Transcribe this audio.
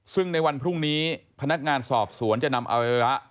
ซึ่งในวันพรุ่งนี้พนักงานสอบสวนจะนำอวัยวะ